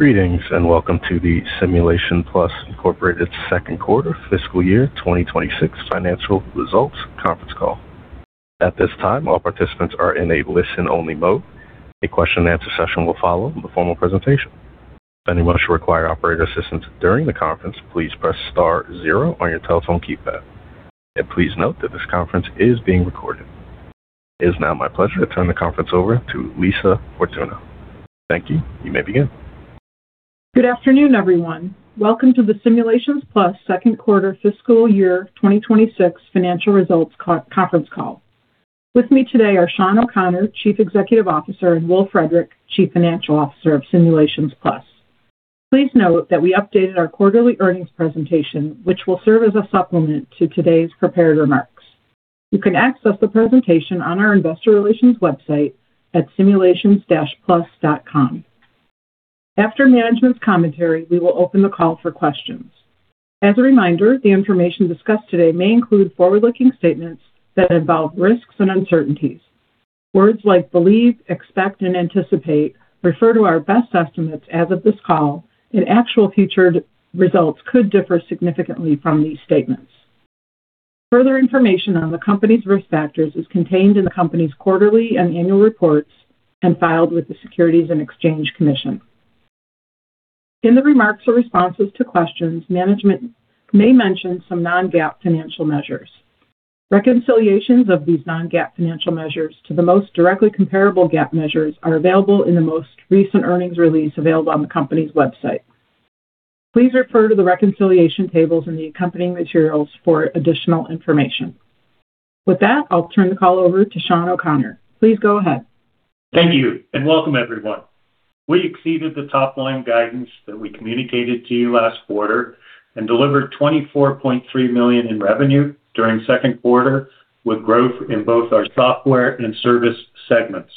Greetings, and welcome to the Simulations Plus, Cooperative second quarter fiscal year 2026 financial results conference call. At this time, all participants are in a listen-only mode. A question and answer session will follow the formal presentation. If anyone should require operator assistance during the conference, please press star zero on your telephone keypad. Please note that this conference is being recorded. It is now my pleasure to turn the conference over to Lisa Fortuna. Thank you. You may begin. Good afternoon, everyone. Welcome to the Simulations Plus second quarter fiscal year 2026 financial results conference call. With me today are Sean O'Connor, Chief Executive Officer, and Will Frederick, Chief Financial Officer of Simulations Plus. Please note that we updated our quarterly earnings presentation, which will serve as a supplement to today's prepared remarks. You can access the presentation on our investor relations website at simulationsplus.com. After management's commentary, we will open the call for questions. As a reminder, the information discussed today may include forward-looking statements that involve risks and uncertainties. Words like believe, expect, and anticipate refer to our best estimates as of this call, and actual future results could differ significantly from these statements. Further information on the company's risk factors is contained in the company's quarterly and annual reports and filed with the Securities and Exchange Commission. In the remarks or responses to questions, management may mention some non-GAAP financial measures. Reconciliations of these non-GAAP financial measures to the most directly comparable GAAP measures are available in the most recent earnings release available on the company's website. Please refer to the reconciliation tables in the accompanying materials for additional information. With that, I'll turn the call over to Sean O'Connor. Please go ahead. Thank you and welcome, everyone. We exceeded the top-line guidance that we communicated to you last quarter and delivered $24.3 million in revenue during second quarter, with growth in both our software and service segments.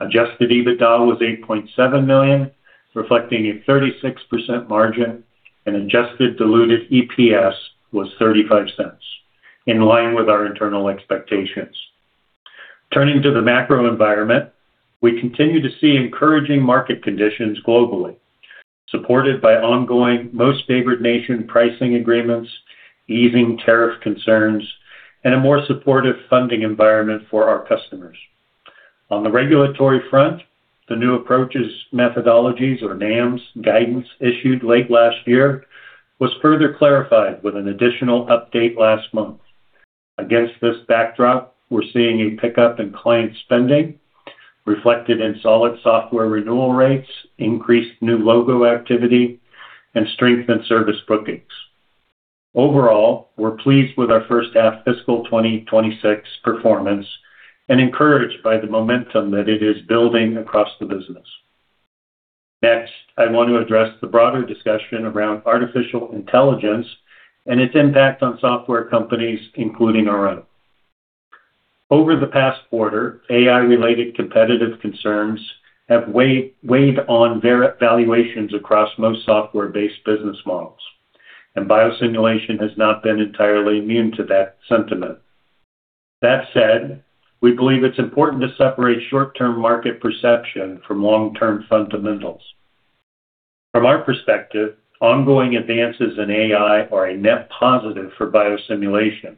Adjusted EBITDA was $8.7 million, reflecting a 36% margin, and adjusted diluted EPS was $0.35, in line with our internal expectations. Turning to the macro environment, we continue to see encouraging market conditions globally, supported by ongoing most favored nation pricing agreements, easing tariff concerns, and a more supportive funding environment for our customers. On the regulatory front, the new approach methodologies, or NAMs guidance issued late last year was further clarified with an additional update last month. Against this backdrop, we're seeing a pickup in client spending reflected in solid software renewal rates, increased new logo activity, and strength in service bookings. Overall, we're pleased with our first half fiscal 2026 performance and encouraged by the momentum that it is building across the business. Next, I want to address the broader discussion around artificial intelligence and its impact on software companies, including our own. Over the past quarter, AI-related competitive concerns have weighed on valuations across most software-based business models, and biosimulation has not been entirely immune to that sentiment. That said, we believe it's important to separate short-term market perception from long-term fundamentals. From our perspective, ongoing advances in AI are a net positive for biosimulation.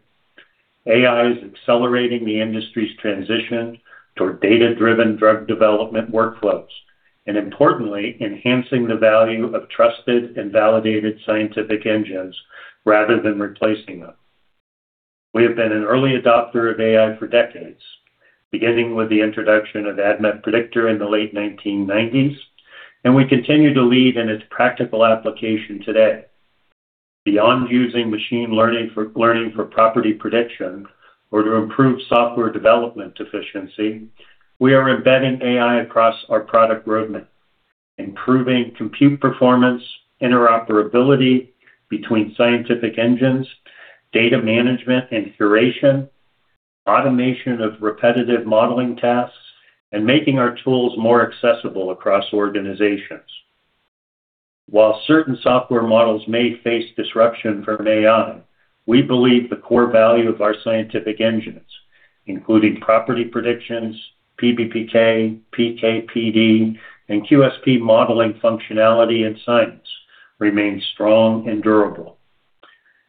AI is accelerating the industry's transition toward data-driven drug development workflows and importantly, enhancing the value of trusted and validated scientific engines rather than replacing them. We have been an early adopter of AI for decades, beginning with the introduction of ADMET Predictor in the late 1990s, and we continue to lead in its practical application today. Beyond using machine learning for property prediction or to improve software development efficiency, we are embedding AI across our product roadmap, improving compute performance, interoperability between scientific engines, data management and curation, automation of repetitive modeling tasks, and making our tools more accessible across organizations. While certain software models may face disruption from AI, we believe the core value of our scientific engines, including property predictions, PBPK, PK/PD, and QSP modeling functionality and science, remain strong and durable.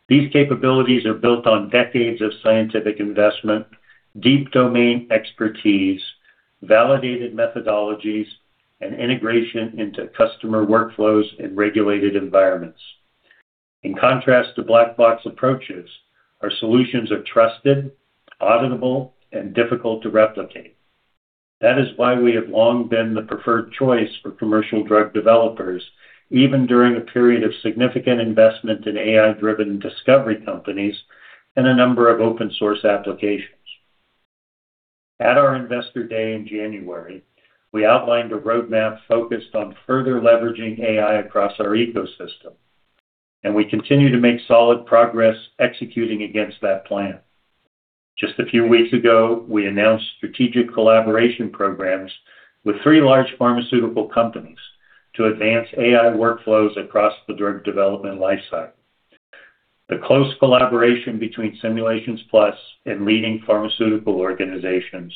These capabilities are built on decades of scientific investment, deep domain expertise, validated methodologies, and integration into customer workflows and regulated environments. In contrast to black box approaches, our solutions are trusted, auditable, and difficult to replicate. That is why we have long been the preferred choice for commercial drug developers, even during a period of significant investment in AI-driven discovery companies and a number of open source applications. At our Investor Day in January, we outlined a roadmap focused on further leveraging AI across our ecosystem, and we continue to make solid progress executing against that plan. Just a few weeks ago, we announced strategic collaboration programs with three large pharmaceutical companies to advance AI workflows across the drug development life cycle. The close collaboration between Simulations Plus and leading pharmaceutical organizations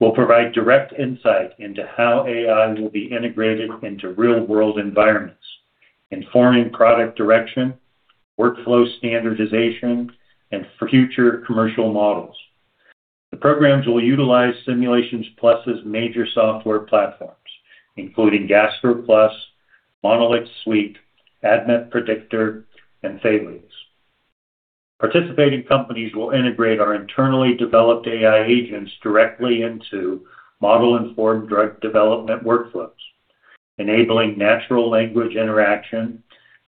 will provide direct insight into how AI will be integrated into real-world environments, informing product direction, workflow standardization, and future commercial models. The programs will utilize Simulations Plus' major software platforms, including GastroPlus, MonolixSuite, ADMET Predictor, and PKpluS. Participating companies will integrate our internally developed AI agents directly into model-informed drug development workflows, enabling natural language interaction,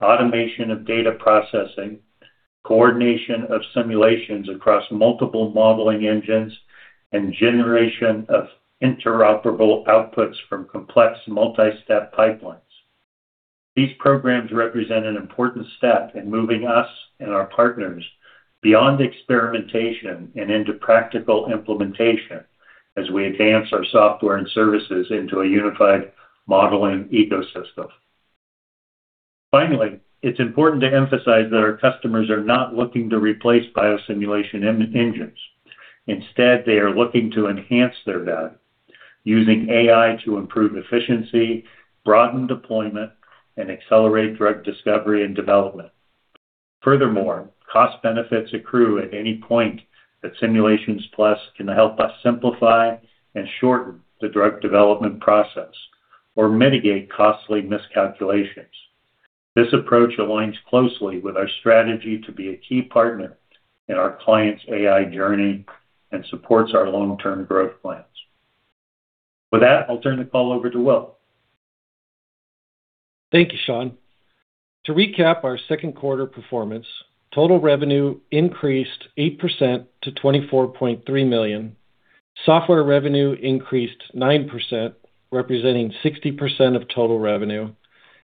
automation of data processing, coordination of simulations across multiple modeling engines, and generation of interoperable outputs from complex multi-step pipelines. These programs represent an important step in moving us and our partners beyond experimentation and into practical implementation as we advance our software and services into a unified modeling ecosystem. Finally, it's important to emphasize that our customers are not looking to replace biosimulation engines. Instead, they are looking to enhance their value, using AI to improve efficiency, broaden deployment, and accelerate drug discovery and development. Furthermore, cost benefits accrue at any point that Simulations Plus can help us simplify and shorten the drug development process or mitigate costly miscalculations. This approach aligns closely with our strategy to be a key partner in our clients' AI journey and supports our long-term growth plans. With that, I'll turn the call over to Will. Thank you, Sean. To recap our second quarter performance, total revenue increased 8% to $24.3 million. Software revenue increased 9%, representing 60% of total revenue,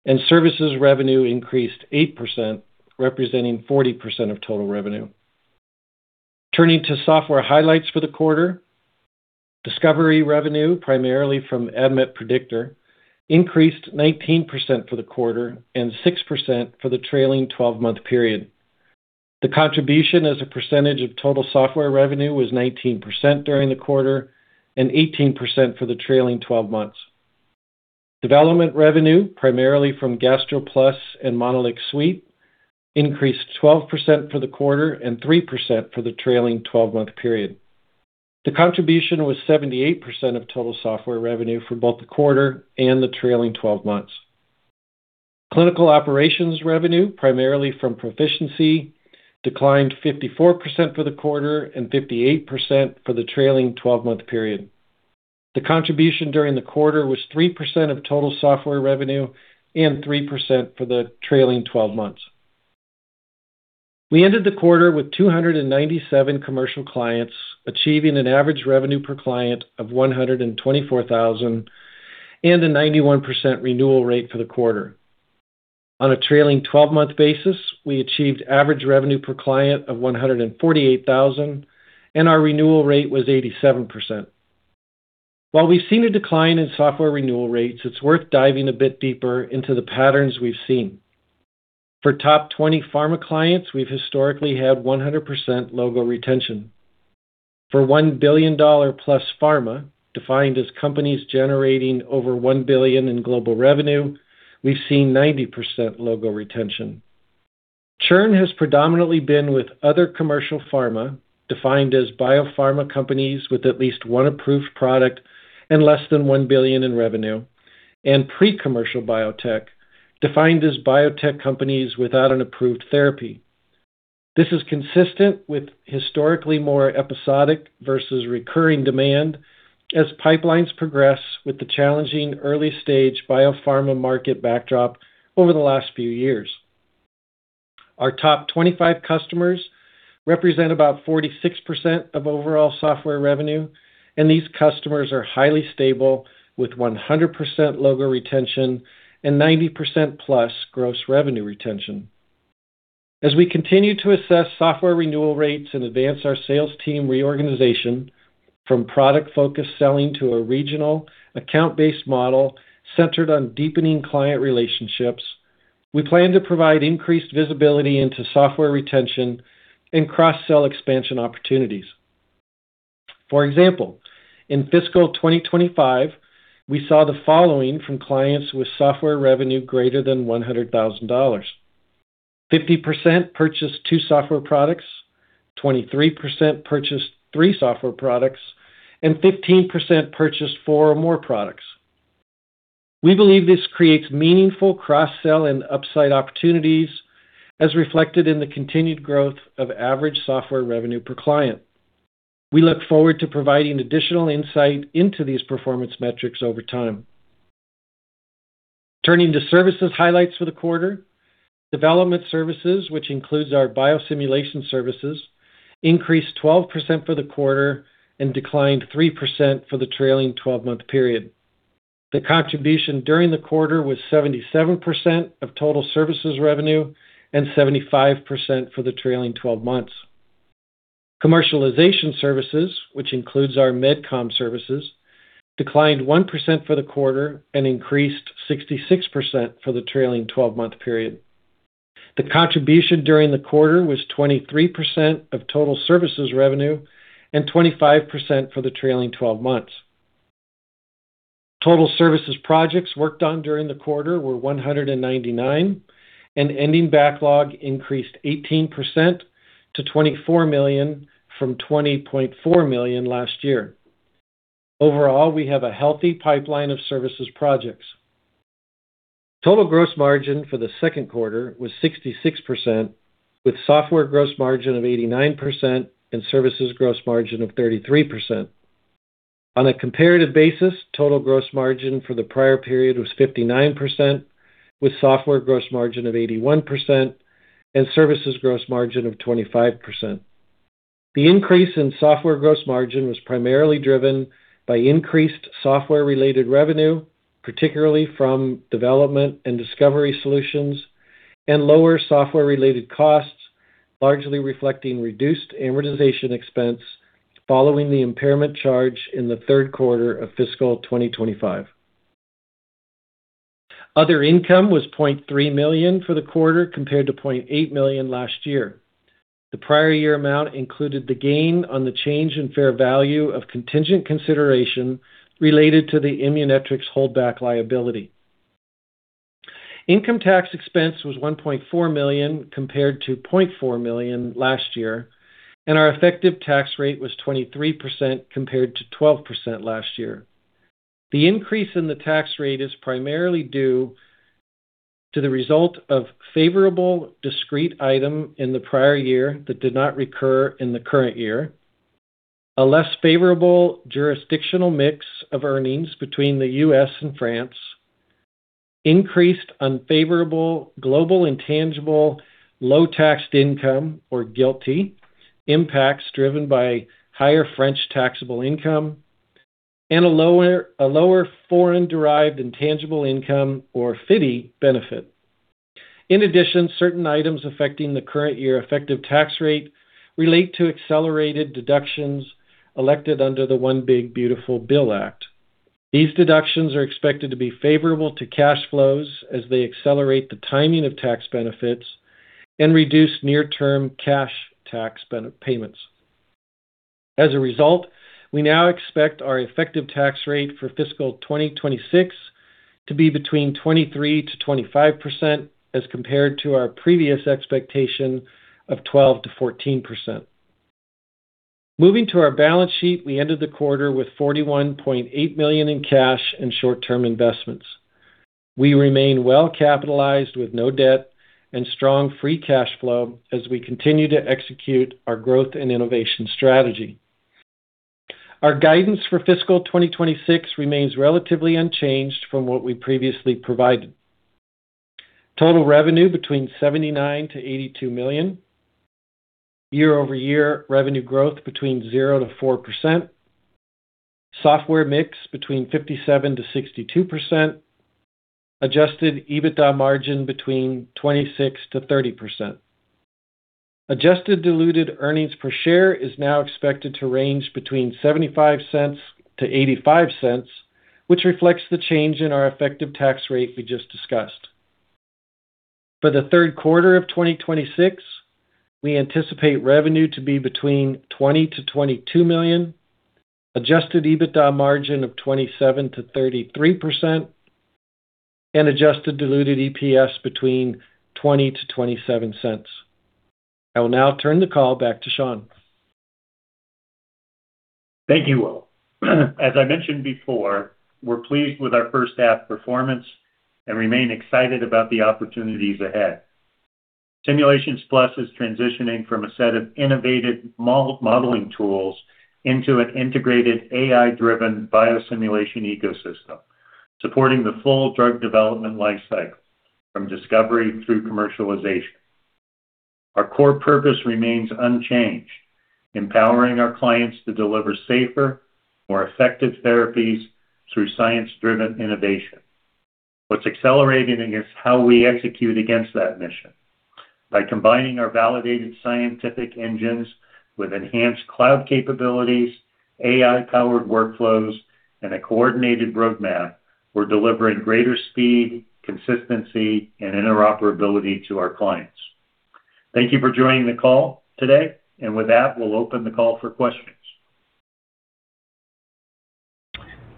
and services revenue increased 8%, representing 40% of total revenue. Turning to software highlights for the quarter. Discovery revenue, primarily from ADMET Predictor, increased 19% for the quarter and 6% for the trailing 12-month period. The contribution as a percentage of total software revenue was 19% during the quarter and 18% for the trailing 12 months. Development revenue, primarily from GastroPlus and MonolixSuite, increased 12% for the quarter and 3% for the trailing 12-month period. The contribution was 78% of total software revenue for both the quarter and the trailing 12 months. Clinical operations revenue, primarily from Pro-ficiency, declined 54% for the quarter and 58% for the trailing 12-month period. The contribution during the quarter was 3% of total software revenue and 3% for the trailing 12 months. We ended the quarter with 297 commercial clients, achieving an average revenue per client of $124,000 and a 91% renewal rate for the quarter. On a trailing 12-month basis, we achieved average revenue per client of $148,000 and our renewal rate was 87%. While we've seen a decline in software renewal rates, it's worth diving a bit deeper into the patterns we've seen. For top 20 pharma clients, we've historically had 100% logo retention. For $1 billion-PlusPharma, defined as companies generating over $1 billion in global revenue, we've seen 90% logo retention. Churn has predominantly been with other commercial pharma, defined as biopharma companies with at least one approved product and less than $1 billion in revenue, and pre-commercial biotech, defined as biotech companies without an approved therapy. This is consistent with historically more episodic versus recurring demand as pipelines progress with the challenging early-stage biopharma market backdrop over the last few years. Our top 25 customers represent about 46% of overall software revenue, and these customers are highly stable, with 100% logo retention and 90%-Plus gross revenue retention. As we continue to assess software renewal rates and advance our sales team reorganization from product-focused selling to a regional, account-based model centered on deepening client relationships, we plan to provide increased visibility into software retention and cross-sell expansion opportunities. For example, in fiscal 2025, we saw the following from clients with software revenue greater than $100,000. 50% purchased two software products, 23% purchased three software products, and 15% purchased four or more products. We believe this creates meaningful cross-sell and upside opportunities, as reflected in the continued growth of average software revenue per client. We look forward to providing additional insight into these performance metrics over time. Turning to services highlights for the quarter. Development services, which includes our biosimulation services, increased 12% for the quarter and declined 3% for the trailing 12-month period. The contribution during the quarter was 77% of total services revenue and 75% for the trailing 12 months. Commercialization services, which includes our MedComm services, declined 1% for the quarter and increased 66% for the trailing 12-month period. The contribution during the quarter was 23% of total services revenue and 25% for the trailing 12 months. Total services projects worked on during the quarter were 199, and ending backlog increased 18% to $24 million from $20.4 million last year. Overall, we have a healthy pipeline of services projects. Total gross margin for the second quarter was 66%, with software gross margin of 89% and services gross margin of 33%. On a comparative basis, total gross margin for the prior period was 59%, with software gross margin of 81% and services gross margin of 25%. The increase in software gross margin was primarily driven by increased software-related revenue, particularly from development and discovery solutions, and lower software-related costs, largely reflecting reduced amortization expense following the impairment charge in the third quarter of fiscal 2025. Other income was $0.3 million for the quarter, compared to $0.8 million last year. The prior year amount included the gain on the change in fair value of contingent consideration related to the Immunetrics holdback liability. Income tax expense was $1.4 million compared to $0.4 million last year, and our effective tax rate was 23% compared to 12% last year. The increase in the tax rate is primarily due to the result of favorable discrete item in the prior year that did not recur in the current year, a less favorable jurisdictional mix of earnings between the U.S. and France, increased unfavorable global intangible low taxed income or GILTI impacts driven by higher French taxable income, and a lower foreign-derived intangible income or FDII benefit. In addition, certain items affecting the current year effective tax rate relate to accelerated deductions elected under the One Big Beautiful Bill Act. These deductions are expected to be favorable to cash flows as they accelerate the timing of tax benefits and reduce near-term cash tax payments. As a result, we now expect our effective tax rate for fiscal 2026 to be between 23%-25%, as compared to our previous expectation of 12%-14%. Moving to our balance sheet, we ended the quarter with $41.8 million in cash and short-term investments. We remain well capitalized with no debt and strong free cash flow as we continue to execute our growth and innovation strategy. Our guidance for fiscal 2026 remains relatively unchanged from what we previously provided. Total revenue between $79 million-$82 million. Year-over-year revenue growth between 0%-4%. Software mix between 57%-62%. Adjusted EBITDA margin between 26%-30%. Adjusted diluted earnings per share is now expected to range between $0.75-$0.85, which reflects the change in our effective tax rate we just discussed. For the third quarter of 2026, we anticipate revenue to be between $20 million-$22 million, adjusted EBITDA margin of 27%-33%, and adjusted diluted EPS between $0.20-$0.27. I will now turn the call back to Sean. Thank you, Will. As I mentioned before, we're pleased with our first half performance and remain excited about the opportunities ahead. Simulations Plus is transitioning from a set of innovative modeling tools into an integrated AI-driven biosimulation ecosystem, supporting the full drug development life cycle from discovery through commercialization. Our core purpose remains unchanged, empowering our clients to deliver safer, more effective therapies through science-driven innovation. What's accelerating is how we execute against that mission. By combining our validated scientific engines with enhanced cloud capabilities, AI-powered workflows, and a coordinated roadmap, we're delivering greater speed, consistency, and interoperability to our clients. Thank you for joining the call today. With that, we'll open the call for questions.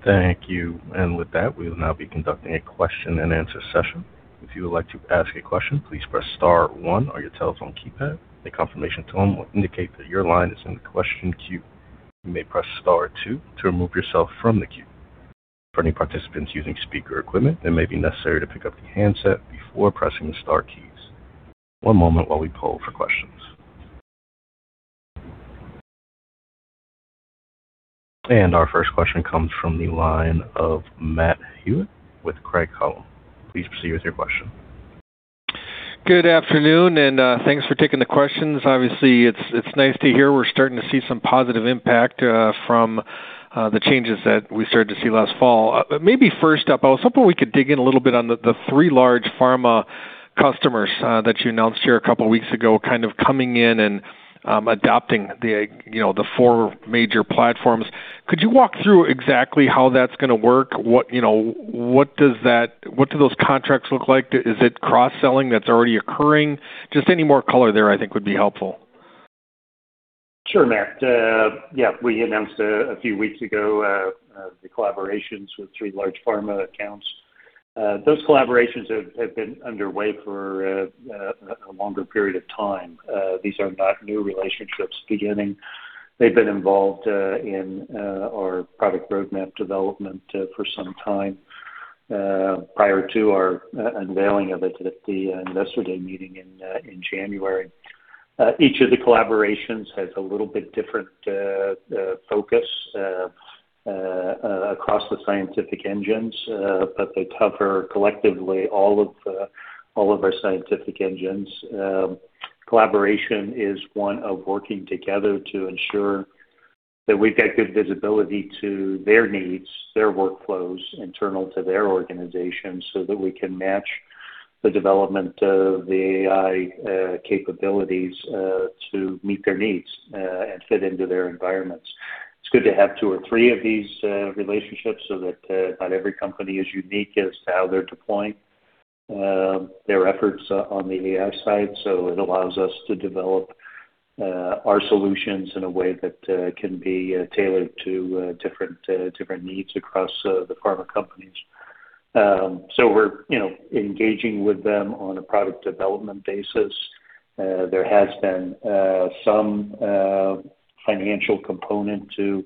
Thank you. With that, we will now be conducting a question and answer session. If you would like to ask a question, please press star one on your telephone keypad. A confirmation tone will indicate that your line is in the question queue. You may press star two to remove yourself from the queue. For any participants using speaker equipment, it may be necessary to pick up the handset before pressing the star keys. One moment while we poll for questions. Our first question comes from the line of Matt Hewitt with Craig-Hallum. Please proceed with your question. Good afternoon, and thanks for taking the questions. Obviously, it's nice to hear we're starting to see some positive impact from the changes that we started to see last fall. Maybe first up, I was hoping we could dig in a little bit on the three large pharma customers that you announced here a couple weeks ago, coming in and adopting the four major platforms. Could you walk through exactly how that's going to work? What do those contracts look like? Is it cross-selling that's already occurring? Just any more color there I think would be helpful. Sure, Matt. Yeah, we announced a few weeks ago, the collaborations with three large pharma accounts. Those collaborations have been underway for a longer period of time. These are not new relationships beginning. They've been involved in our product roadmap development for some time, prior to our unveiling of it at the Investor Day meeting in January. Each of the collaborations has a little bit different focus across the scientific engines, but they cover, collectively, all of our scientific engines. Collaboration is one of working together to ensure that we've got good visibility to their needs, their workflows, internal to their organization, so that we can match the development of the AI capabilities, to meet their needs, and fit into their environments. It's good to have two or three of these relationships so that, not every company is unique as to how they're deploying their efforts on the AI side. It allows us to develop our solutions in a way that can be tailored to different needs across the pharma companies. We're engaging with them on a product development basis. There has been some financial component to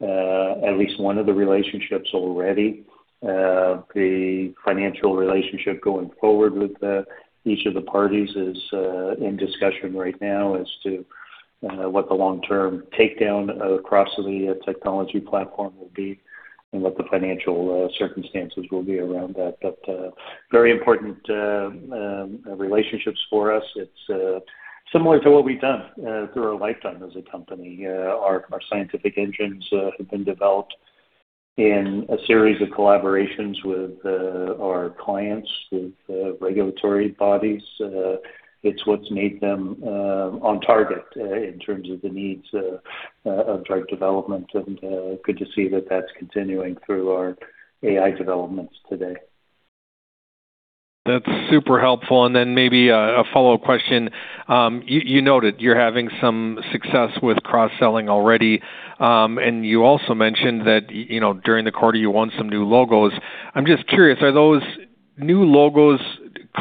at least one of the relationships already. The financial relationship going forward with each of the parties is in discussion right now as to what the long-term takedown across the technology platform will be and what the financial circumstances will be around that. Very important relationships for us. It's similar to what we've done through our lifetime as a company. Our scientific engines have been developed in a series of collaborations with our clients, with regulatory bodies. It's what's made them on target in terms of the needs of drug development, and good to see that that's continuing through our AI developments today. That's super helpful, and then maybe a follow question. You noted you're having some success with cross-selling already. You also mentioned that during the quarter you won some new logos. I'm just curious, are those new logos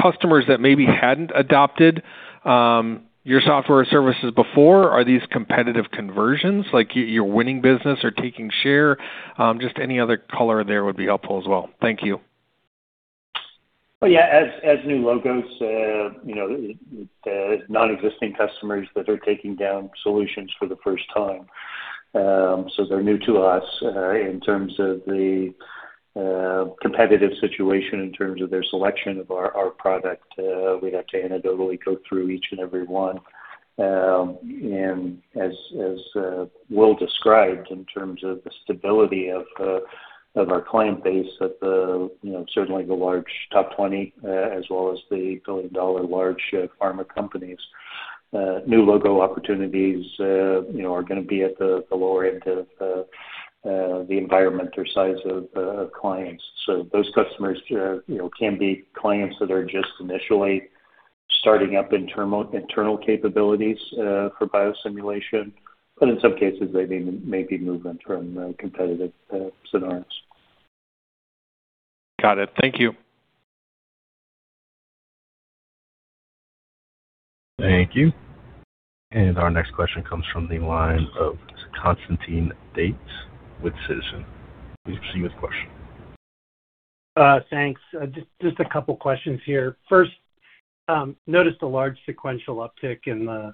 customers that maybe hadn't adopted your software services before? Are these competitive conversions, like you're winning business or taking share? Just any other color there would be helpful as well. Thank you. Yeah. As new logos, non-existing customers that are taking on solutions for the first time. They're new to us. In terms of the competitive situation, in terms of their selection of our product, we'd have to anecdotally go through each and every one. As Will described in terms of the stability of our client base at certainly the large top 20, as well as the billion-dollar large pharma companies. New logo opportunities are going to be at the lower end of the environment or size of clients. Those customers can be clients that are just initially starting up internal capabilities for biosimulation. In some cases, they may be movement from competitive scenarios. Got it. Thank you. Thank you. Our next question comes from the line of Constantine Davides with Citizen. Please proceed with your question. Thanks. Just a couple questions here. First, noticed a large sequential uptick in the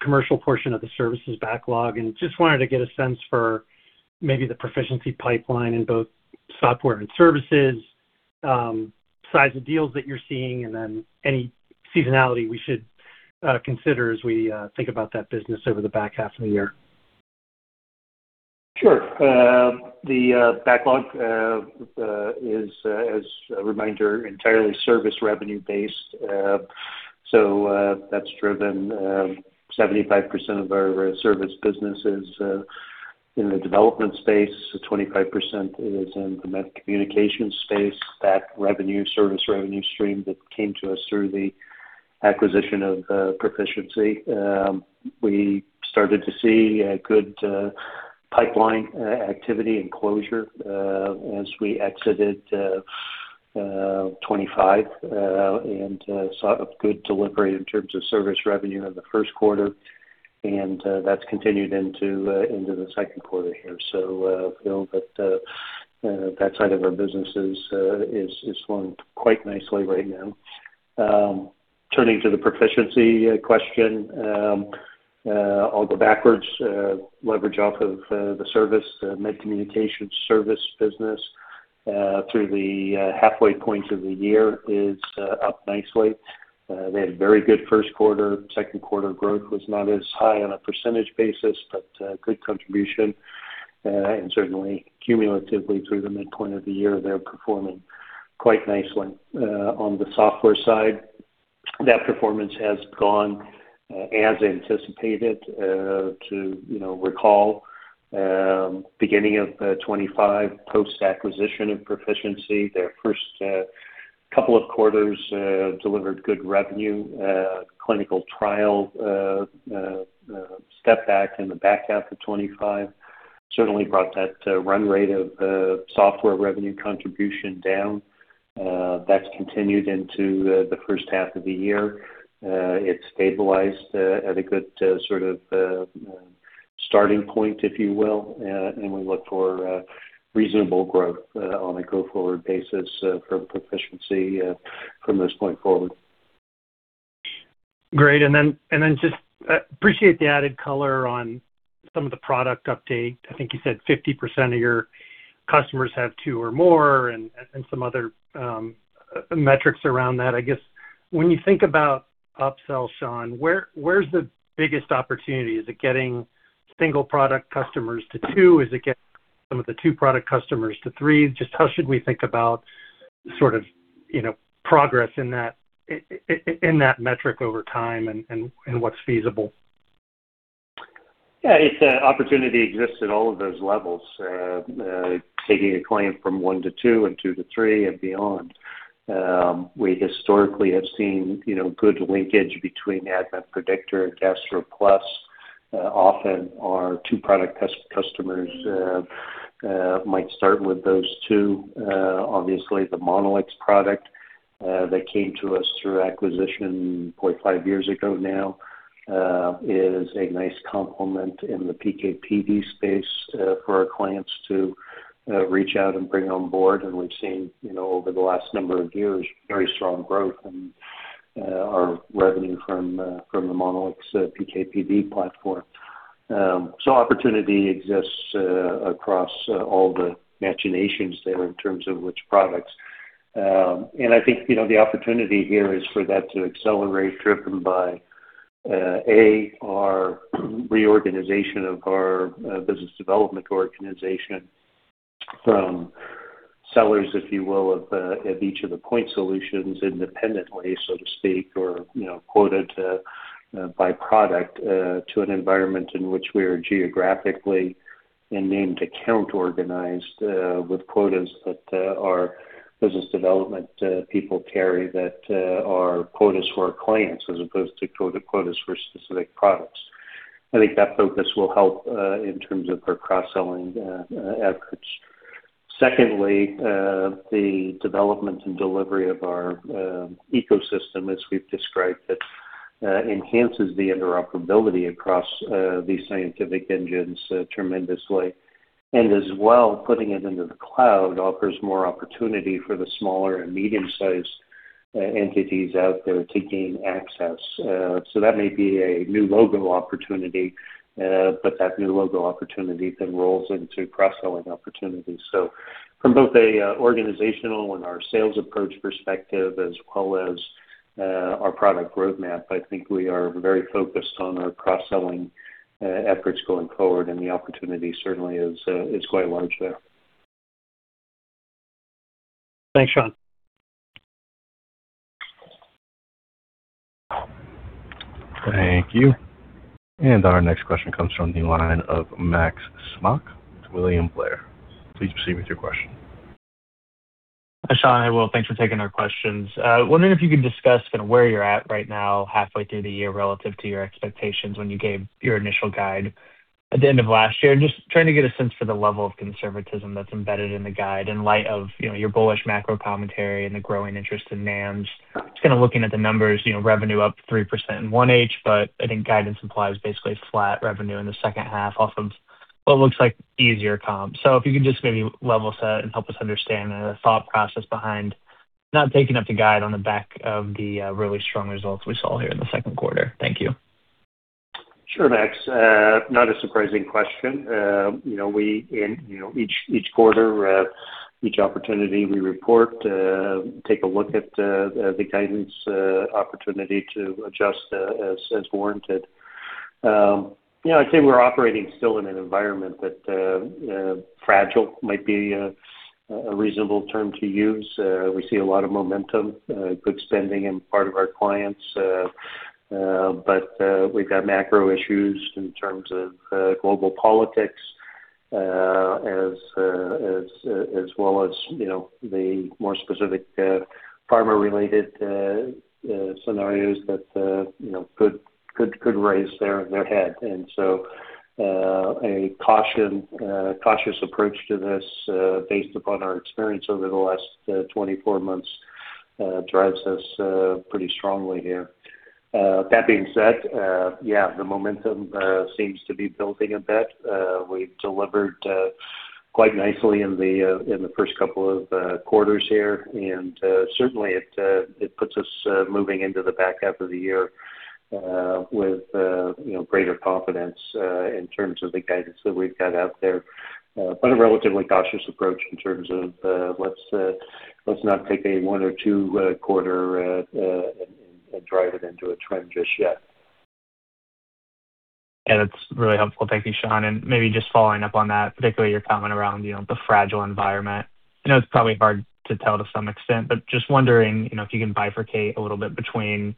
commercial portion of the services backlog, and just wanted to get a sense for maybe the Pro-ficiency pipeline in both software and services, size of deals that you're seeing, and then any seasonality we should consider as we think about that business over the back half of the year? Sure. The backlog is, as a reminder, entirely service revenue-based. That's driven 75% of our service businesses in the development space. 25% is in the med communications space. That revenue service revenue stream that came to us through the acquisition of Pro-ficiency. We started to see a good pipeline activity and closure, as we exited 2025, and saw a good delivery in terms of service revenue in the first quarter. That's continued into the second quarter here. I feel that side of our business is flowing quite nicely right now. Turning to the Pro-ficiency question. I'll go backwards. Leverage off of the service med communications service business through the halfway point of the year is up nicely. They had very good first quarter. Second quarter growth was not as high on a percentage basis, but good contribution, and certainly cumulatively through the midpoint of the year, they're performing quite nicely. On the software side, that performance has gone as anticipated. To recall, beginning of 2025, post-acquisition and Pro-ficiency, their first couple of quarters delivered good revenue. Clinical trial stepped back in the back half of 2025, certainly brought that run rate of software revenue contribution down. That's continued into the first half of the year. It stabilized at a good starting point, if you will, and we look for reasonable growth on a go-forward basis for Pro-ficiency from this point forward. Great. Just appreciate the added color on some of the product update. I think you said 50% of your customers have two or more and some other metrics around that. I guess when you think about upsell, Sean, where's the biggest opportunity? Is it getting single product customers to two? Is it getting some of the two product customers to three? Just how should we think about progress in that metric over time and what's feasible? Yeah, it's an opportunity exists at all of those levels. Taking a client from one to two and two to three and beyond. We historically have seen good linkage between ADMET Predictor and GastroPlus. Often our two product customers might start with those two. Obviously the Monolix product that came to us through acquisition four or five years ago now, is a nice complement in the PK/PD space for our clients to reach out and bring on board. We've seen over the last number of years, very strong growth in our revenue from the Monolix PK/PD platform. Opportunity exists across all the machinations there in terms of which products. I think, the opportunity here is for that to accelerate, driven by A, our reorganization of our business development organization from sellers, if you will, of each of the point solutions independently, so to speak, or quoted by product to an environment in which we are geographically and named account organized with quotas that our business development people carry that are quotas for our clients as opposed to quotas for specific products. I think that focus will help in terms of our cross-selling efforts. Secondly, the development and delivery of our ecosystem, as we've described, that enhances the interoperability across these scientific engines tremendously. And as well, putting it into the cloud offers more opportunity for the smaller and medium-sized entities out there to gain access. That may be a new logo opportunity, but that new logo opportunity then rolls into cross-selling opportunities. From both an organizational and our sales approach perspective as well as our product roadmap, I think we are very focused on our cross-selling efforts going forward and the opportunity certainly is quite large there. Thanks, Sean. Thank you. Our next question comes from the line of Max Smock with William Blair. Please proceed with your question. Hi, Sean. Hi, Will. Thanks for taking our questions. Wondering if you can discuss kind of where you're at right now, halfway through the year relative to your expectations when you gave your initial guide at the end of last year. Just trying to get a sense for the level of conservatism that's embedded in the guide in light of your bullish macro commentary and the growing interest in NAMs. Just kind of looking at the numbers, revenue up 3% in 1H, but I think guidance implies basically flat revenue in the second half off of what looks like easier comps. If you could just maybe level set and help us understand the thought process behind not taking up the guide on the back of the really strong results we saw here in the second quarter. Thank you. Sure, Max. Not a surprising question. Each quarter, each opportunity we report, take a look at the guidance opportunity to adjust as warranted. I'd say we're operating still in an environment that fragile might be a reasonable term to use. We see a lot of momentum, good spending in part of our clients, but we've got macro issues in terms of global politics, as well as the more specific pharma-related scenarios that could raise their head. A cautious approach to this, based upon our experience over the last 24 months, drives us pretty strongly here. That being said, yeah, the momentum seems to be building a bit. We've delivered quite nicely in the first couple of quarters here, and certainly it puts us moving into the back half of the year with greater confidence in terms of the guidance that we've got out there, but a relatively cautious approach in terms of let's not take a one or two quarter and drive it into a trend just yet. Yeah, that's really helpful. Thank you, Sean. Maybe just following up on that, particularly your comment around the fragile environment. I know it's probably hard to tell to some extent, but just wondering if you can bifurcate a little bit between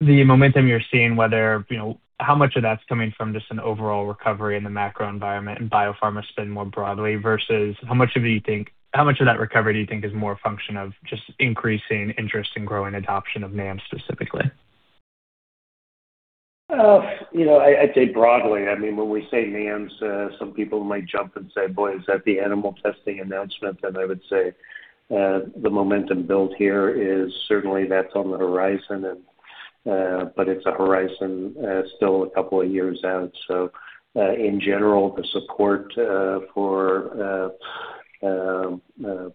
the momentum you're seeing, how much of that's coming from just an overall recovery in the macro environment and biopharma spend more broadly, versus how much of that recovery do you think is more a function of just increasing interest in growing adoption of NAM specifically? I'd say broadly, when we say NAM, some people might jump and say, "Boy, is that the animal testing announcement?" I would say the momentum build here is certainly that's on the horizon. It's a horizon still a couple of years out. In general, the support for biosimulation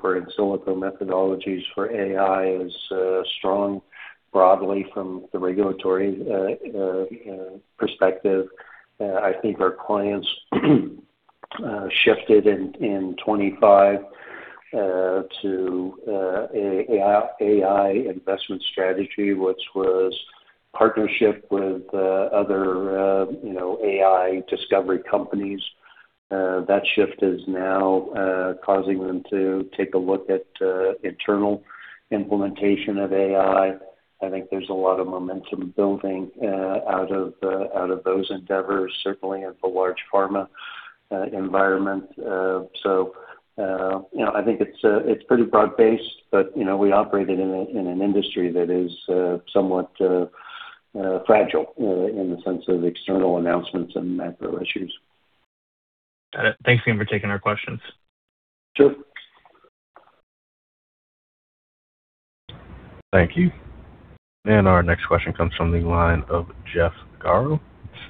for in silico methodologies for AI is strong broadly from the regulatory perspective. I think our clients shifted in 2025 to AI investment strategy, which was partnership with other AI discovery companies. That shift is now causing them to take a look at internal implementation of AI. I think there's a lot of momentum building out of those endeavors, certainly in the large pharma environment. I think it's pretty broad-based, but we operate it in an industry that is somewhat fragile in the sense of external announcements and macro issues. Got it. Thanks again for taking our questions. Sure. Thank you. Our next question comes from the line of Jeff Garro,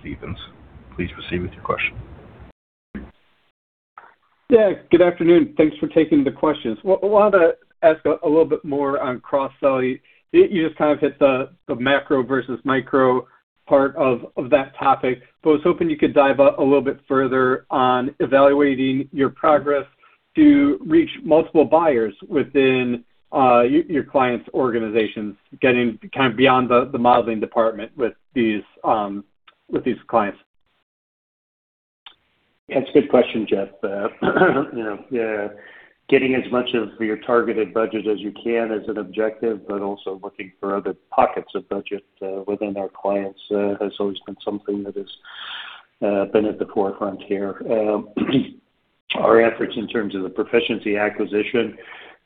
Stephens. Please proceed with your question. Yeah, good afternoon. Thanks for taking the questions. Wanted to ask a little bit more on cross-sell. You just kind of hit the macro versus micro part of that topic, but was hoping you could dive a little bit further on evaluating your progress to reach multiple buyers within your clients' organizations, getting kind of beyond the modeling department with these clients. That's a good question, Jeff. Getting as much of your targeted budget as you can is an objective, but also looking for other pockets of budget within our clients has always been something that has been at the forefront here. Our efforts in terms of the Pro-ficiency acquisition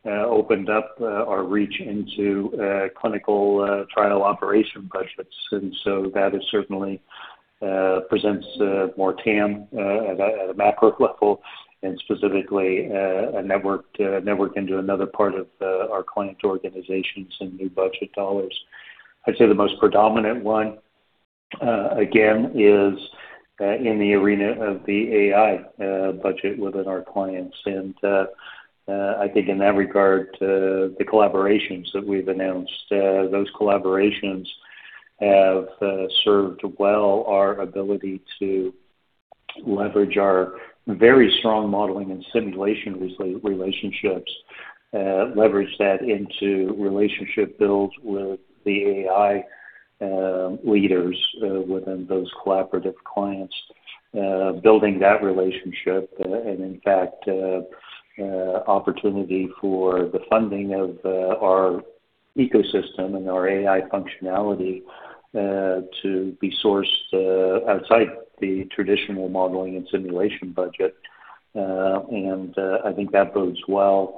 opened up our reach into clinical trial operation budgets, and so that certainly presents more TAM at a macro level and specifically a network into another part of our client organizations and new budget dollars. I'd say the most predominant one, again, is in the arena of the AI budget within our clients. I think in that regard, the collaborations that we've announced, those collaborations have served well our ability to leverage our very strong modeling and simulation relationships, leverage that into relationship builds with the AI leaders within those collaborative clients. Building that relationship and in fact, opportunity for the funding of our ecosystem and our AI functionality to be sourced outside the traditional modeling and simulation budget. I think that bodes well.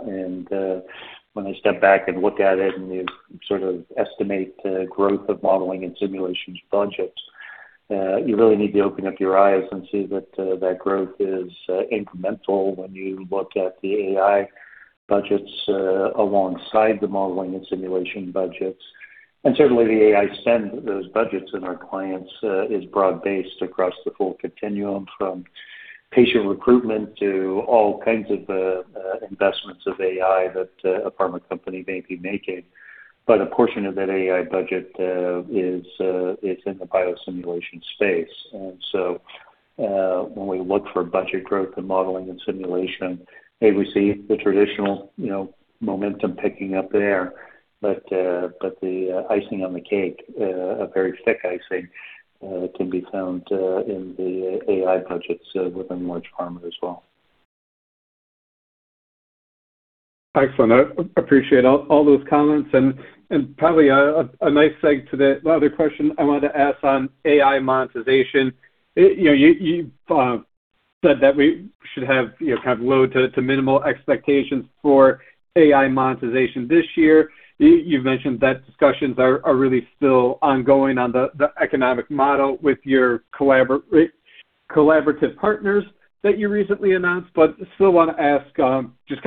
When I step back and look at it and you sort of estimate the growth of modeling and simulations budgets you really need to open up your eyes and see that that growth is incremental when you look at the AI budgets alongside the modeling and simulation budgets. Certainly the AI spend those budgets in our clients is broad-based across the full continuum from patient recruitment to all kinds of investments of AI that a pharma company may be making. A portion of that AI budget is in the biosimulation space. When we look for budget growth and modeling and simulation, we see the traditional momentum picking up there. The icing on the cake, a very thick icing, can be found in the AI budgets within large pharma as well. Excellent. I appreciate all those comments and probably a nice segue to the other question I wanted to ask on AI monetization. You said that we should have low to minimal expectations for AI monetization this year. You mentioned that discussions are really still ongoing on the economic model with your collaborative partners that you recently announced, but still want to ask just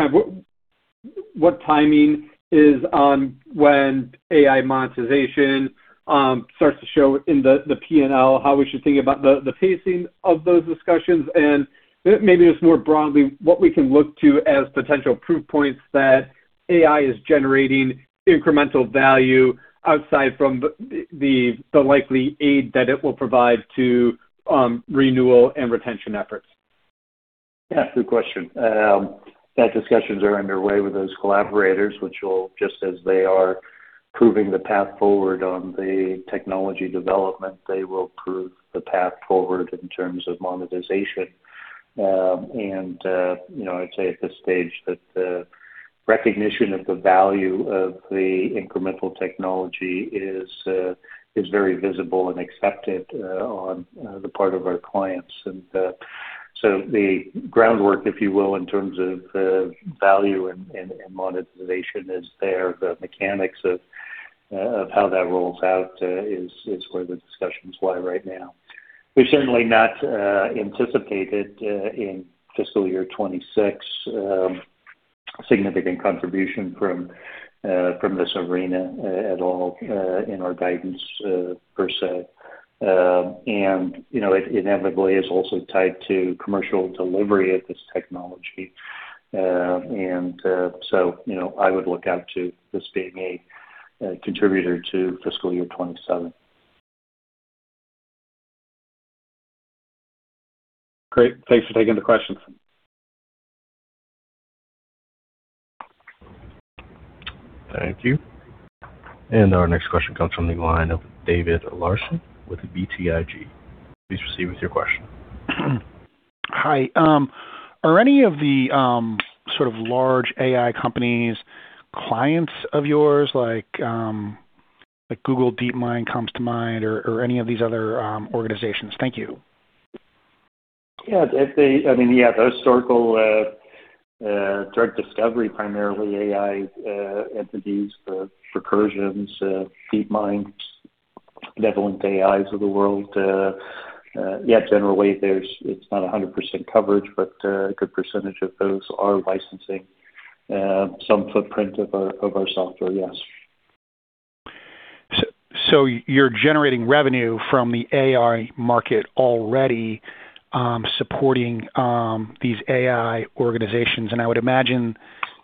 what timing is on when AI monetization starts to show in the P&L, how we should think about the pacing of those discussions, and maybe just more broadly, what we can look to as potential proof points that AI is generating incremental value outside from the likely aid that it will provide to renewal and retention efforts? Yeah, good question. Those discussions are underway with those collaborators, which will, just as they are proving the path forward on the technology development, they will prove the path forward in terms of monetization. I'd say at this stage that the recognition of the value of the incremental technology is very visible and accepted on the part of our clients. The groundwork, if you will, in terms of value and monetization is there. The mechanics of how that rolls out is where the discussions lie right now. We've certainly not anticipated, in fiscal year 2026, significant contribution from this arena at all in our guidance per se. It inevitably is also tied to commercial delivery of this technology. I would look out to this being a contributor to fiscal year 2027. Great. Thanks for taking the questions. Thank you. Our next question comes from the line of David Larsen with BTIG. Please proceed with your question. Hi. Are any of the sort of large AI companies clients of yours, like Google DeepMind comes to mind, or any of these other organizations? Thank you. Yeah. Those in the circle of drug discovery, primarily AI entities, Recursion, DeepMind, BenevolentAI of the world. Yeah, generally, it's not 100% coverage, but a good percentage of those are licensing some footprint of our software, yes. You're generating revenue from the AI market already, supporting these AI organizations. I would imagine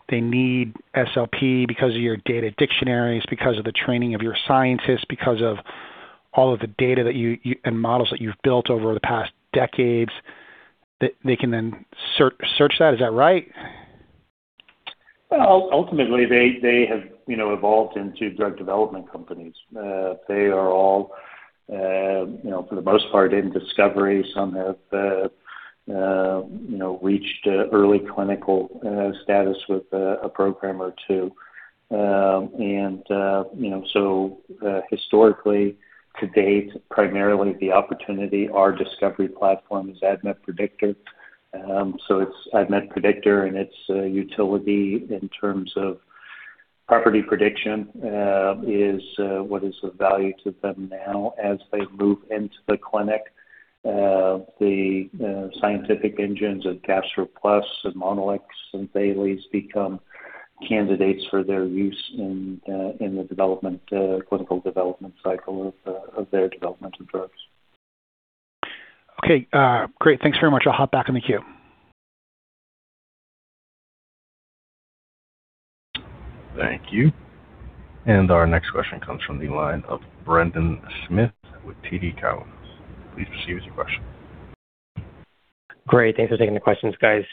they need SLP because of your data dictionaries, because of the training of your scientists, because of all of the data and models that you've built over the past decades, they can then search that. Is that right? Well, ultimately, they have evolved into drug development companies. They are all, for the most part, in discovery. Some have reached early clinical status with a program or two. Historically to date, primarily the opportunity, our discovery platform is ADMET Predictor. It's ADMET Predictor and its utility in terms of property prediction, is what is of value to them now as they move into the clinic. The scientific engines of GastroPlus and Monolix and PKpluS become candidates for their use in the clinical development cycle of their development of drugs. Okay. Great. Thanks very much. I'll hop back in the queue. Thank you. Our next question comes from the line of Brendan Smith with TD Cowen. Please proceed with your question. Great. Thanks for taking the questions, guys.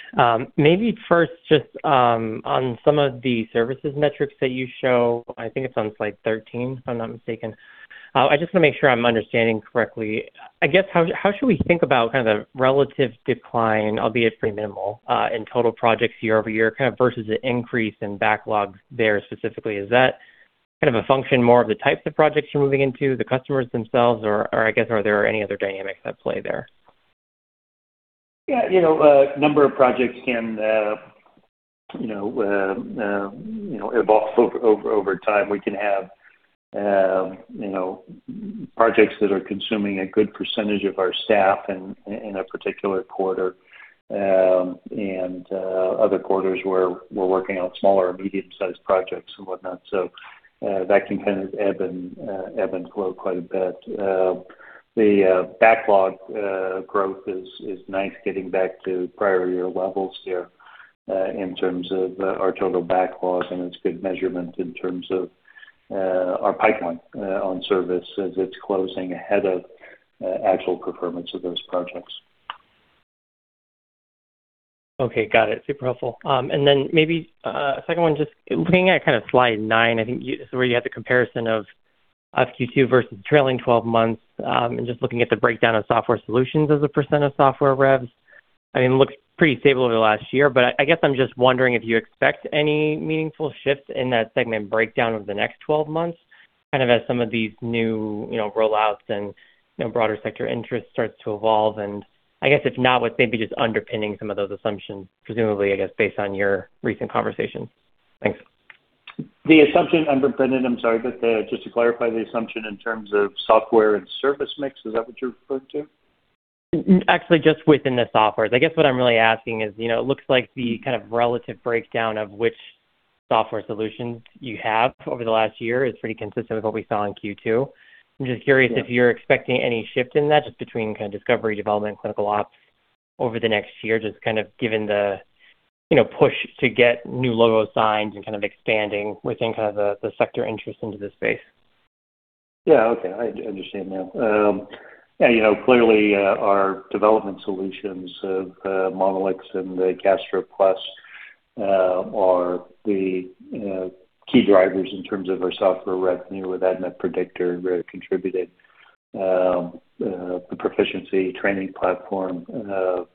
Maybe first, just on some of the services metrics that you show, I think it's on slide 13, if I'm not mistaken. I just want to make sure I'm understanding correctly. I guess, how should we think about kind of the relative decline, albeit pretty minimal, in total projects year-over-year, kind of versus the increase in backlogs there specifically? Is that kind of a function more of the types of projects you're moving into, the customers themselves, or I guess, are there any other dynamics at play there? Yeah. A number of projects can evolve over time. We can have projects that are consuming a good percentage of our staff in a particular quarter, and other quarters where we're working on smaller or medium-sized projects and whatnot. That can kind of ebb and flow quite a bit. The backlog growth is nice getting back to prior year levels here in terms of our total backlogs, and it's good measurement in terms of our pipeline on service as it's closing ahead of actual performance of those projects. Okay, got it. Super helpful. Maybe a second one, just looking at slide nine, I think this is where you had the comparison of Q2 versus trailing 12 months, and just looking at the breakdown of software solutions as a percentage of software revs. I mean, it looks pretty stable over the last year, but I guess I'm just wondering if you expect any meaningful shifts in that segment breakdown over the next 12 months, kind of as some of these new rollouts and broader sector interest starts to evolve, and I guess if not, what's maybe just underpinning some of those assumptions, presumably, I guess, based on your recent conversations? Thanks. The assumption, Brendan, I'm sorry, but just to clarify the assumption in terms of software and service mix, is that what you're referring to? Actually, just within the software. I guess what I'm really asking is, it looks like the kind of relative breakdown of which software solutions you have over the last year is pretty consistent with what we saw in Q2. I'm just curious if you're expecting any shift in that, just between kind of discovery, development, clinical ops over the next year, just given the push to get new logos signed and expanding within the sector interest into this space. Yeah, okay. I understand now. Clearly, our development solutions of Monolix and the GastroPlus are the key drivers in terms of our software revenue, with ADMET Predictor contributed. The Pro-ficiency training platform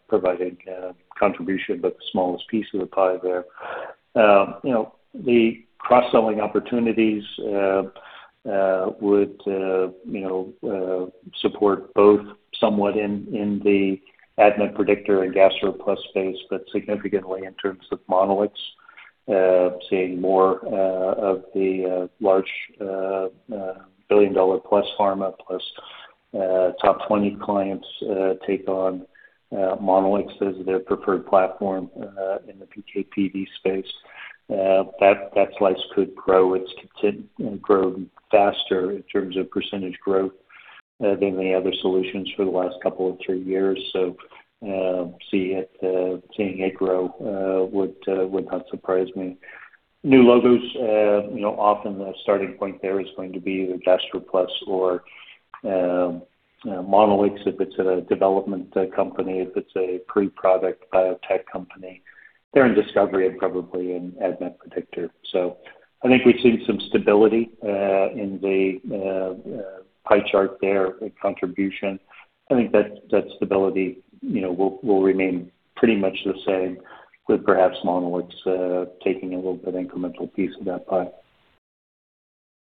provided contribution, but the smallest piece of the pie there. The cross-selling opportunities would support both somewhat in the ADMET Predictor and GastroPlus space, but significantly in terms of Monolix, seeing more of the large billion-dollar plus pharma plus top 20 clients take on Monolix as their preferred platform in the PK/PD space. That slice could grow. It's grown faster in terms of percentage growth than the other solutions for the last couple or three years. Seeing it grow would not surprise me. New logos, often the starting point there is going to be either GastroPlus or Monolix, if it's a development company. If it's a pre-product biotech company, they're in discovery of probably an ADMET Predictor. I think we've seen some stability in the pie chart there with contribution. I think that stability will remain pretty much the same with perhaps Monolix taking a little bit incremental piece of that pie.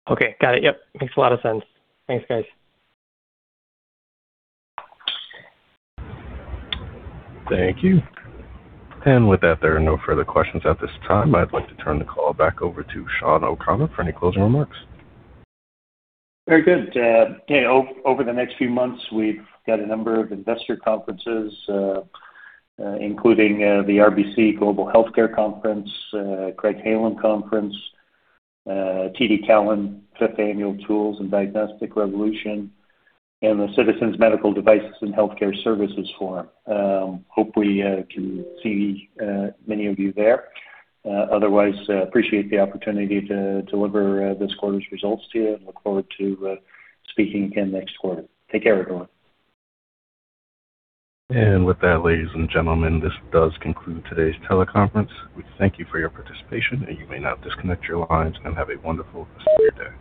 Okay. Got it. Yep. Makes a lot of sense. Thanks, guys. Thank you. With that, there are no further questions at this time. I'd like to turn the call back over to Sean O'Connor for any closing remarks. Very good. Over the next few months, we've got a number of investor conferences, including the RBC Global Healthcare Conference, Craig-Hallum Conference, TD Cowen Fifth Annual Tools and Diagnostics Revolution, and the Citizens Medical Devices and Healthcare Services Forum. Hopefully, we can see many of you there. Otherwise, I appreciate the opportunity to deliver this quarter's results to you and look forward to speaking again next quarter. Take care, everyone. With that, ladies and gentlemen, this does conclude today's teleconference. We thank you for your participation, and you may now disconnect your lines, and have a wonderful rest of your day.